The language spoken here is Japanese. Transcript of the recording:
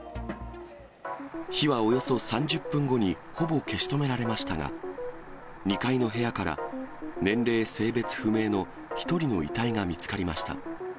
火はおよそ３０分後にほぼ消し止められましたが、２階の部屋から、年齢、性別不明の１人の遺体が見つかりました。